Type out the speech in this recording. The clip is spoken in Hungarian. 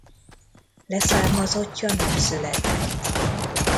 Leszármazottja nem született.